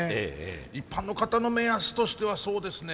一般の方の目安としてはそうですね